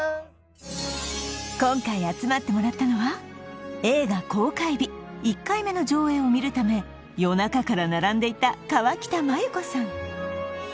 今回集まってもらったのは映画公開日１回目の上映を見るため夜中から並んでいた河北麻友子さん